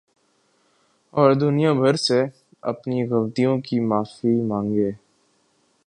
اور دنیا بھر سے اپنی غلطیوں کی معافی ما نگے